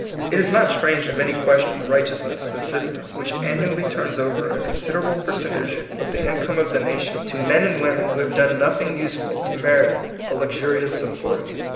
It is not strange that many question the righteousness of a system which annually turns over a con siderably percentage of the income of the 154 TH£ COMING PEOPLE. nation to men and women who Have done nothing useful to merit a luxurious support.